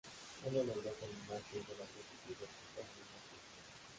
Sólo logró terminar seis de las doce piezas que forman la suite.